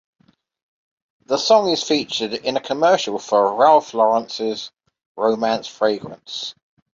The song is featured in a commercial for Ralph Lauren's Romance fragrance.